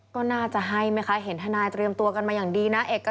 ก็น่าจะให้ไหมคะเห็นทนายเตรียมตัวกันมาอย่างดีนะเอก